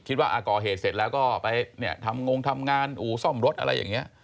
ว่าก่อเหตุเสร็จแล้วก็ไปเนี่ยทำงงทำงานอู่ซ่อมรถอะไรอย่างนี้